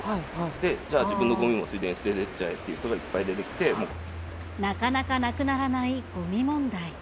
で、じゃあ自分のごみもついでに捨てていっちゃえっていう人がいっぱなかなかなくならないごみ問題。